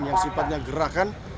yang sifatnya gerakan